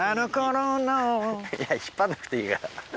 引っ張んなくていいから。